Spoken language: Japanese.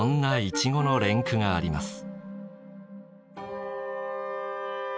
イチゴの連句があります。